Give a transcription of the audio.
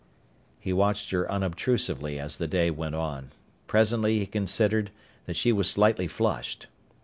He watched her unobtrusively as the day went on. Presently he considered that she was slightly flushed.